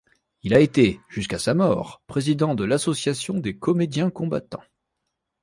Il a été jusqu'à sa mort président de l'Association des comédiens combattants.